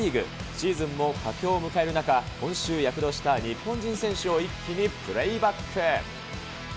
シーズンも佳境を迎える中、今週躍動した日本人選手を一気にプレイバック。